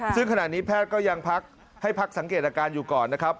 ซึ่งขณะนี้แพทย์ก็ยังพักให้พักสังเกตอาการอยู่ก่อนนะครับ